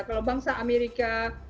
kalau bangsa amerika